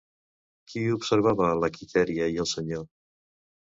Qui observava la Quitèria i el senyor?